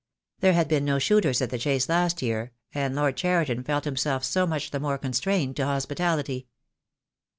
There had been no shooters at the Chase last year, and Lord Cheriton felt himself so much the more constrained to hospitality.